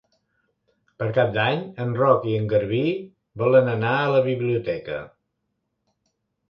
Per Cap d'Any en Roc i en Garbí volen anar a la biblioteca.